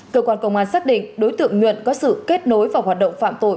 cơ quan công an xác định đối tượng nhuận có sự kết nối vào hoạt động phạm tội